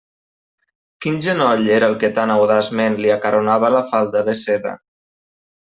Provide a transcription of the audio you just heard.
Quin genoll era el que tan audaçment li acaronava la falda de seda?